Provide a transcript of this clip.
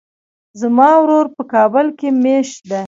زما ورور په کابل کې ميشت ده.